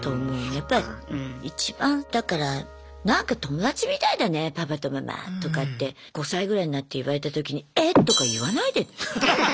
やっぱり一番だから「なんか友達みたいだねパパとママ」とかって５歳ぐらいになって言われたときに「えっ？」とか言わないでね。